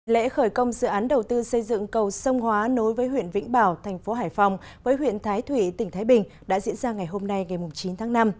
lễ khởi công dự án đầu tư xây dựng cầu sông hóa nối với huyện vĩnh bảo thành phố hải phòng với huyện thái thụy tỉnh thái bình đã diễn ra ngày hôm nay ngày chín tháng năm